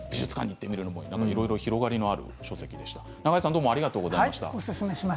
美術館に行ってもいい広がりのある書籍でした。